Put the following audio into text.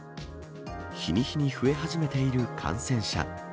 日に日に増え始めている感染者。